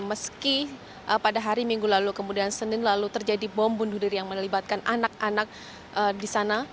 meski pada hari minggu lalu kemudian senin lalu terjadi bom bunuh diri yang melibatkan anak anak di sana